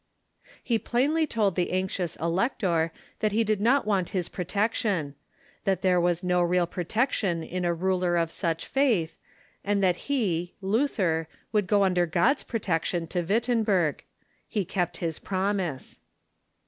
He plainly told the anxious Elector that he did not want his protection, that there was no real protection in a ruler of such faith, and that he, Luther, would go under God's protection to Wittenberg. He kept his promise.